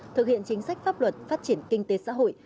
thực hiện chính sách pháp luật phát triển kinh tế xã hội